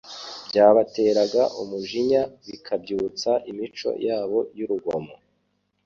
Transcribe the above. byabateraga umujinya bikabyutsa imico yabo y'urugomo.